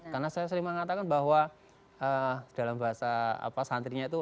karena saya sering mengatakan bahwa dalam bahasa santrinya itu